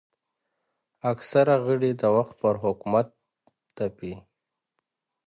اکثره غړي د وخت پر حکومت تپي